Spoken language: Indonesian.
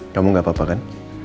kamu gak apa apa kan